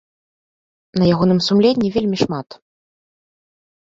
На ягоным сумленні вельмі шмат.